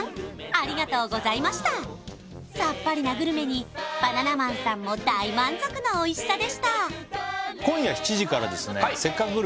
ありがとうございましたさっぱりなグルメにバナナマンさんも大満足のおいしさでした今夜７時からですね「せっかくグルメ！！」